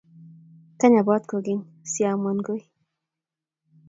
kany abwat kukeny siamuaun koi